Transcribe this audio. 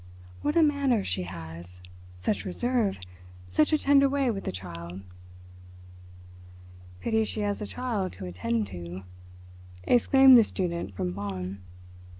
What a manner she has. Such reserve, such a tender way with the child." "Pity she has the child to attend to," exclaimed the student from Bonn.